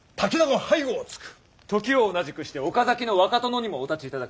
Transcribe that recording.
時を同じくして岡崎の若殿にもお立ちいただく。